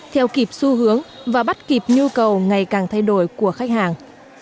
theo kịp xu hướng và bắt kịp nhu cầu ngày càng thay đổi của khách hàng